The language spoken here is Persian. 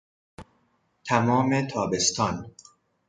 تمام تابستان